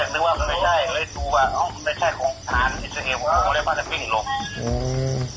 ไม่ใช่เลยดูว่าอ้อไม่ใช่ของฐานที่ชื่อว่าของของอะไรบ้างแต่ว่าวิ่งไม่หลบ